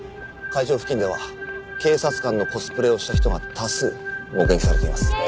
会場付近では警察官のコスプレをした人が多数目撃されています。